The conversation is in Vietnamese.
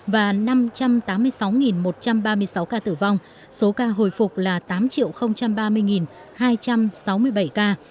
và năm trăm tám mươi sáu một trăm ba mươi sáu ca tử vong số ca hồi phục là tám ba mươi hai trăm sáu mươi bảy ca